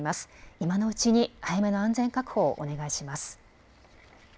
今のうちに早めの安全確保をお願いします。